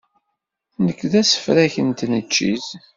Nekk d asefrak n tneččit.